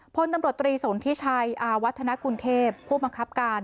พลตำรวจตรีสนทิชัยอาวัฒนกุลเทพผู้บังคับการ